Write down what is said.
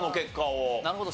なるほど。